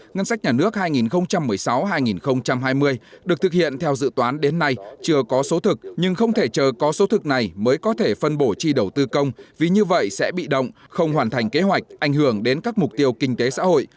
ngân sách nhà nước hai nghìn một mươi sáu hai nghìn hai mươi được thực hiện theo dự toán đến nay chưa có số thực nhưng không thể chờ có số thực này mới có thể phân bổ chi đầu tư công vì như vậy sẽ bị động không hoàn thành kế hoạch ảnh hưởng đến các mục tiêu kinh tế xã hội